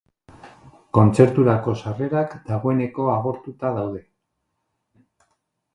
Kontzerturako sarrerak dagoeneko agortuta daude.